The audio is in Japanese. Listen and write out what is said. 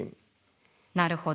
なるほど。